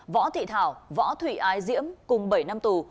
võ thị thảo võ thủy ái diễm cùng bảy năm tù